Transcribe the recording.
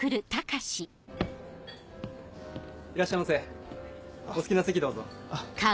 いらっしゃいませお好きな席どうぞ。